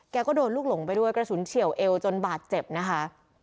ก็โดนลูกหลงไปด้วยกระสุนเฉียวเอวจนบาดเจ็บนะคะ